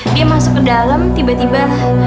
dia masuk ke dalam tiba tiba